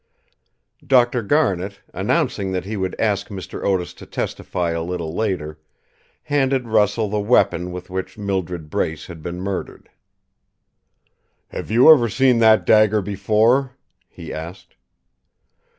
Dr. Garnet, announcing that he would ask Mr. Otis to testify a little later, handed Russell the weapon with which Mildred Brace had been murdered. "Have you ever seen that dagger before?" he asked.